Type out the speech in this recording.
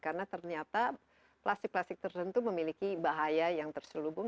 karena ternyata plastik plastik tertentu memiliki bahaya yang terselubung